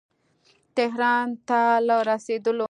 تهران ته له رسېدلو.